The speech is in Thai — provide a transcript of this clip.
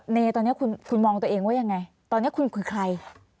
เนตอนนี้คุณมองตัวเองว่ายังไงตอนนี้คุณคือใคร